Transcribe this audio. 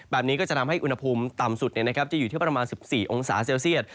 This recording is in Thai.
แบบนี้ก็จะทำให้อุณหภูมิต่ำสุดจะอยู่ที่ประมาณ๑๔องศาเซลเซียต